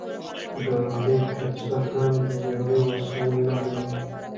ګاندي که څه هم د جګړې وسايل نه درلودل.